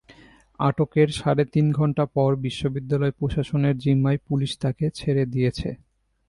আটকের সাড়ে তিন ঘণ্টা পর বিশ্ববিদ্যালয় প্রশাসনের জিম্মায় পুলিশ তাঁকে ছেড়ে দিয়েছে।